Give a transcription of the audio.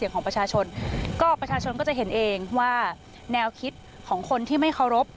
ก็ประชาชนก็จะเห็นเองว่าแนวคิดของคนที่ไม่เคารพ